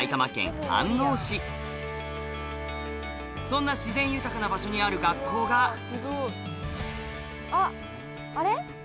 そんな自然豊かな場所にある学校があっあれ？